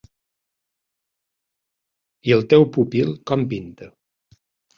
I el teu pupil, com pinta?